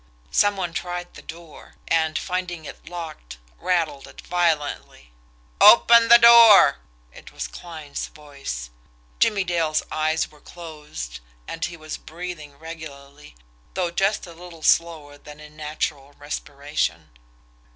Some one tried the door, and, finding it locked, rattled it violently. "Open the door!" It was Kline's voice. Jimmie Dale's eyes were closed, and he was breathing regularly, though just a little slower than in natural respiration.